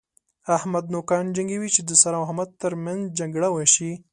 احمد نوکان جنګوي چې د سارا او احمد تر منځ جګړه وشي.